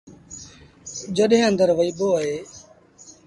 جڏهيݩ آݩدر وهيٚبو اهي۔